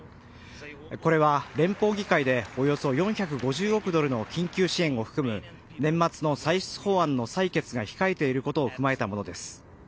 これは連邦議会でおよそ４５０億ドルの緊急支援を含む年末の歳出法案の採決が控えていることを踏まえたものです。